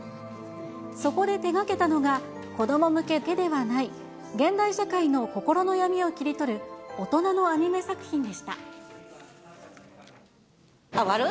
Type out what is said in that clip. そこで手がけたのが、子ども向けだけではない、現代社会の心の闇を切り取る大人のアニメ作品でした。笑